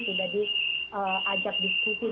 sudah diajak diskusi